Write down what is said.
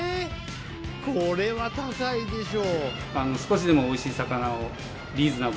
これは高いでしょ